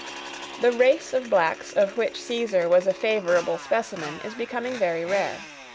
The race of blacks of which Caesar was a favorable specimen is becoming very rare.